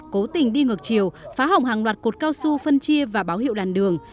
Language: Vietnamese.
cố tình đi ngược chiều phá hỏng hàng loạt cột cao su phân chia và báo hiệu làn đường